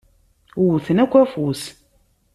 Wwten akk afus.